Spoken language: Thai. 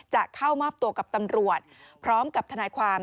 จะเข้ามอบตัวกับตำรวจพร้อมกับทนายความ